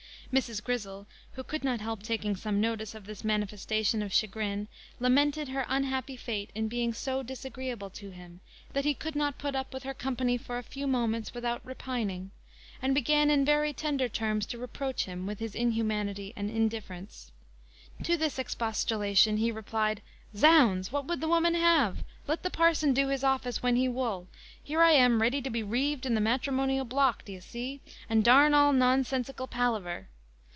Mrs. Grizzle, who could not help taking some notice of this manifestation of chagrin, lamented her unhappy fate in being so disagreeable to him, that he could not put up with her company for a few moments without repining; and began in very tender terms to reproach him with his inhumanity and indifference. To this expostulation he replied, "Zounds! what would the woman have? Let the parson do his office when he wool: here I am ready to be reeved in the matrimonial block, d'ye see, and d all nonsensical palaver."